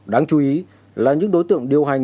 đáng chú ý là những đối tượng điều hành